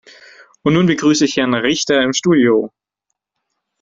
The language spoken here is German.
Und nun begrüße ich Herrn Richter im Studio.